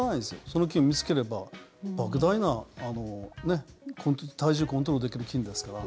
その菌を見つければばく大な体重をコントロールできる菌ですから。